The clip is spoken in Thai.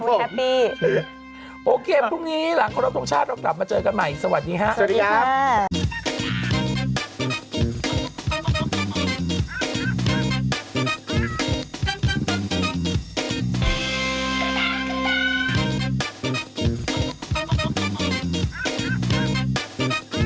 แฮปปี้โอเคพรุ่งนี้หลังครบทรงชาติเรากลับมาเจอกันใหม่สวัสดีครับสวัสดีครับ